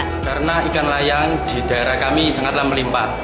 karena ikan layang di daerah kami sangatlah melimpah